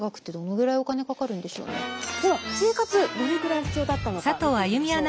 では生活どれぐらい必要だったのか見ていきましょう。